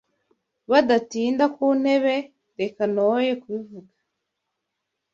Badatinda ku ntebe Reka noye kubivuga